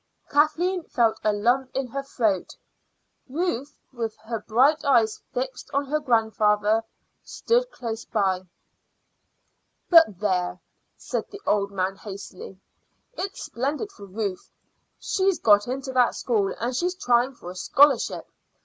Kathleen felt a lump in her throat. Ruth, with her bright eyes fixed on her grandfather, stood close by. "But there!" said the old man hastily. "It's splendid for Ruth. She's got into that school, and she's trying for a scholarship.